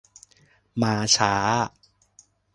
มาช้า